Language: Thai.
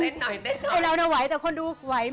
เล่นหน่อยเล่นหน่อยเราน่าไหวแต่คนดูไหวไหม